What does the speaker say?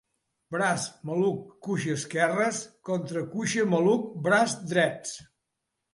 Braç maluc cuixa esquerres contra cuixa maluc braç drets.